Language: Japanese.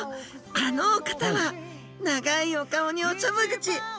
あのお方は長いお顔におちょぼ口。